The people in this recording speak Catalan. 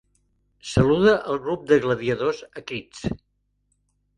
Saluda al grup de gladiadors a crits.